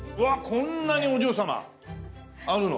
こんなにお嬢様あるの。